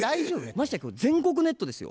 ましてやこれ全国ネットですよ。